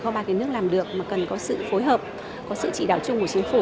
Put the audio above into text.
kho bạc nhà nước làm được mà cần có sự phối hợp có sự chỉ đạo chung của chính phủ